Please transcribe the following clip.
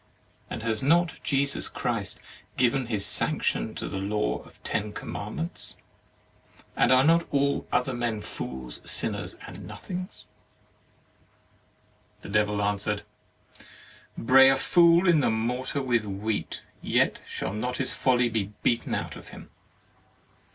and has not Jesus Christ given His sanction to the law of ten commandments? and are not all other men fools, sinners, and nothings?" 40 HEAVEN AND HELL The Devil answered: "Bray a fool in a mortar with wheat, yet shall not his folly be beaten out of him.